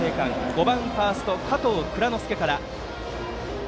５番ファースト、加藤蔵乃介から。